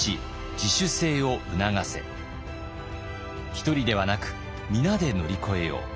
一人ではなく皆で乗り越えよう。